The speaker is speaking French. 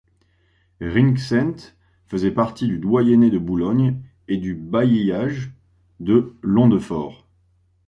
Rinxent faisait partie du doyenné de Boulogne et du bailliage de Londefort.